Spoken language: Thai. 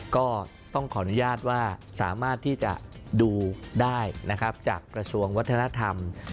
ก็ต้องขออนุญาตว่าสามารถที่จะดูได้นะครับจากกระทรวงวัฒนธรรม